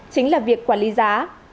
chính là việc quản lý giá